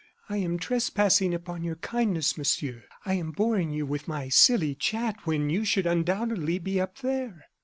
"I am trespassing upon your kindness, Monsieur. I am boring you with my silly chat when you should undoubtedly be up there."